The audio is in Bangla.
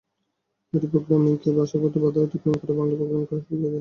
এটি প্রোগ্রামিংকে ভাষাগত বাধা অতিক্রম করে বাংলায় প্রোগ্রামিং করার সুবিধা দেবে।